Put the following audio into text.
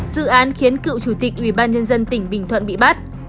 dự án khiến cựu chủ tịch ủy ban nhân dân tỉnh bình thuận bị bắt